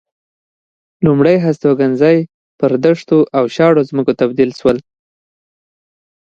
لومړ هستوګنځي پر دښتو او شاړو ځمکو بدل شول.